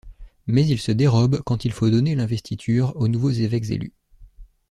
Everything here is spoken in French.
Mais il se dérobe quand il faut donner l'investiture aux nouveaux évêques élus.